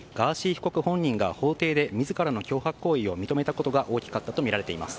被告本人が法廷で自らの脅迫行為を認めたことが大きかったとみられています。